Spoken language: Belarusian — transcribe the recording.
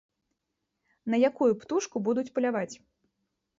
На якую птушку будуць паляваць?